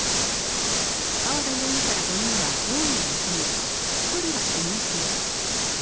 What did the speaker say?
川田容疑者ら５人は容疑を認め１人は否認しています。